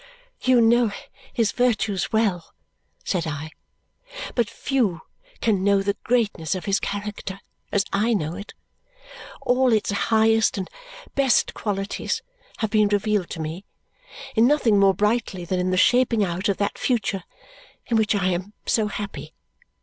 "You know his virtues well," said I, "but few can know the greatness of his character as I know it. All its highest and best qualities have been revealed to me in nothing more brightly than in the shaping out of that future in which I am so happy.